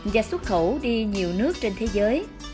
và xuất khẩu đi nhiều nước trên thế giới